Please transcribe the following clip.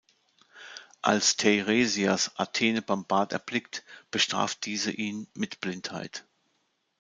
Als Teiresias Athene beim Bad erblickt, bestraft diese ihn mit Blindheit.